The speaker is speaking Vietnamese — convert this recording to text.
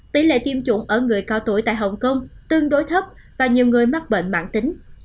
tỷ lệ tiêm chủng ở người cao tuổi tại hồng kông tương đối thấp và nhiều người mắc bệnh mạng tính